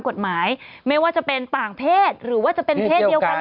กฎหมายไม่ว่าจะเป็นต่างเพศหรือว่าจะเป็นเพศเดียวกัน